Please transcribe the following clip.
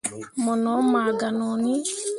Mo no maa ganoni.